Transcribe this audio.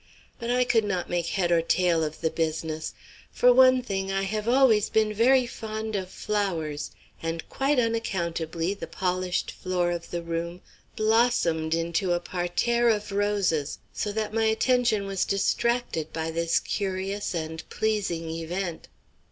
But I could not make head or tail of the business. For one thing I have always been very fond of flowers, and quite unaccountably the polished floor of the room blossomed into a parterre of roses, so that my attention was distracted by this curious and pleasing event.